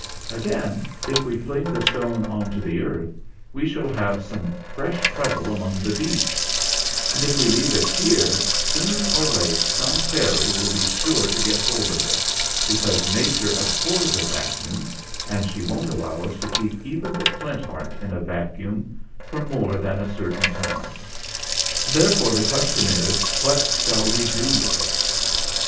Again, if we fling the stone on to the earth we shall have some fresh trouble among the beasts ; and if we leave it here, soon or later some fairy will be sure to get hold of it, because nature abhors a vacuum, and she won't allow us to keep even the Flint Heart in a vacuum for more than a certain time. Therefore the question is, 'What shall we do with it?'